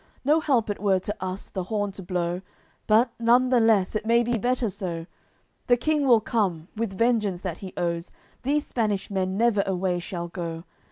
No help it were to us, the horn to blow, But, none the less, it may be better so; The King will come, with vengeance that he owes; These Spanish men never away shall go.